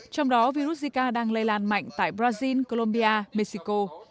trong đó virus zika đang lây lan mạnh tại brazil colombia mexico